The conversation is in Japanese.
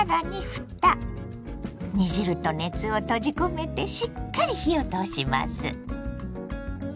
煮汁と熱を閉じ込めてしっかり火を通します。